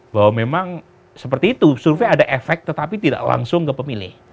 bahwa memang seperti itu survei ada efek tetapi tidak langsung ke pemilih